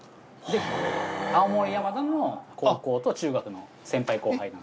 青森山田の高校と中学の先輩後輩。